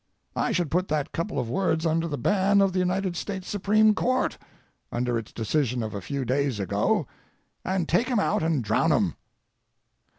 I should put that couple of words under the ban of the United States Supreme Court, under its decision of a few days ago, and take 'em out and drown 'em.